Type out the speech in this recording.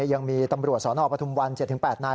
ยังมีตำรวจสนปทุมวัน๗๘นาย